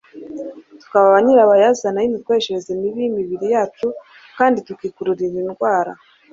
tukaba ba nyirabayazana b'imikoreshereze mibi y'imibiri yacu, kandi tukikururira indwara